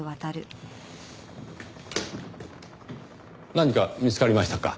何か見つかりましたか？